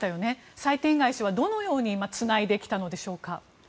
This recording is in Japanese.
サイ・テンガイ氏はどのようにつないできたのでしょうか。